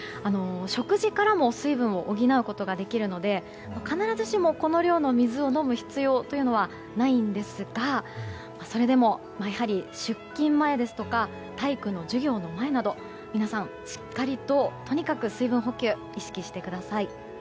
食事からも水分を補うことができるので必ずしも、この量の水を飲む必要はないんですがそれでもやはり出勤前や体育の授業の前など皆さん、しっかりととにかく水分補給意識してください。